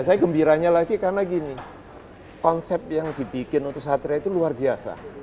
saya gembiranya lagi karena gini konsep yang dibikin untuk satria itu luar biasa